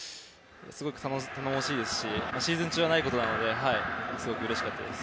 すごく頼もしいですしシーズン中はないことなのですごくうれしかったです。